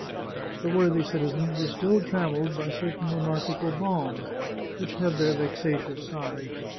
The worthy citizens were still trammelled by certain monarchical bonds, which had their vexatious side.